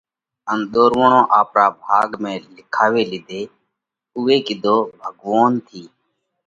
ان ۮورووڻ آپرا ڀاڳ ۾ لکاوي لِيڌا، اُوئي ڪِيۮي ڀڳوونَ ٿِي